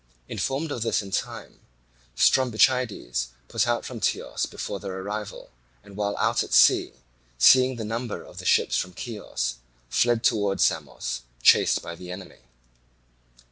Informed of this in time, Strombichides put out from Teos before their arrival, and while out at sea, seeing the number of the ships from Chios, fled towards Samos, chased by the enemy.